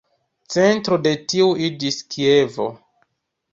Centro de tiu iĝis Kievo.